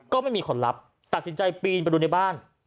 ไม่มีคนรับตัดสินใจปีนไปดูในบ้าน